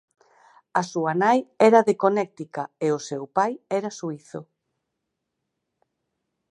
A súa nai era de Connecticut e o seu pai era suízo.